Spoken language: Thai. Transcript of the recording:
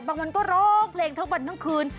บางวันก็ร้องเพลงทั้งวันทั้งคืน